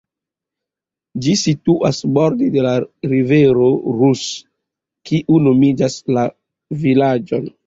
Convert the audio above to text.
Ĝi situas borde de la rivero Rus, kiu nomigas la vilaĝon.